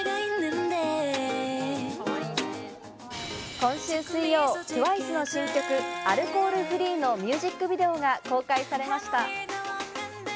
今週水曜、ＴＷＩＣＥの新曲『Ａｌｃｏｈｏｌ−Ｆｒｅｅ』のミュージックビデオが公開されました。